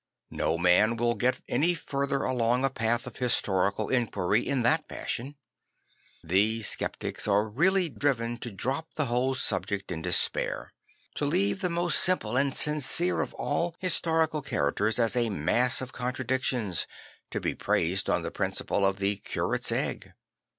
No man will get any further along a path of historical enquiry in that fashion. These sceptics are really driven to drop the whole subject in despair, to leave the most simple and sincere of all historical characters as a mass of contra dictions, to be praised on the principle of the curate's egg.